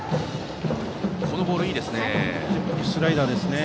このボール、いいですね。